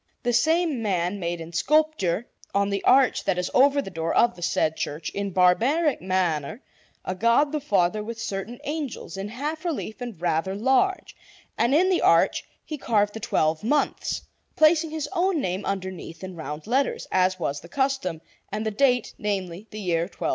The same man made in sculpture, on the arch that is over the door of the said church, in barbaric manner, a God the Father with certain angels, in half relief and rather large; and in the arch he carved the twelve months, placing his own name underneath in round letters, as was the custom, and the date namely, the year 1216.